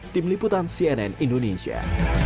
tim liputan cnn indonesia